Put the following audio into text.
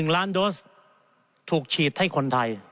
๑ล้านโดสถูกฉีดให้คนไทย